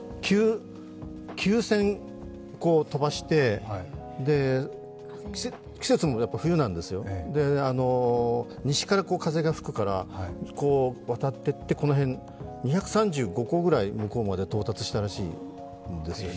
９０００個飛ばして、季節も冬なんですよ、西から風が吹くから、こう渡っていってこの辺、２３５個くらい向こうまで到達したらしいんですよね。